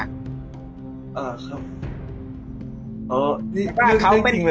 อ่าครับ